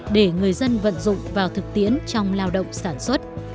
để người dân vận dụng vào thực tiễn trong lao động sản xuất